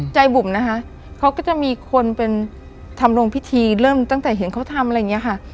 บุ๋มนะคะเขาก็จะมีคนเป็นทำลงพิธีเริ่มตั้งแต่เห็นเขาทำอะไรอย่างนี้ค่ะ